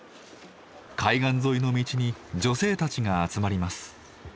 海岸沿いの道に女性たちが集まります。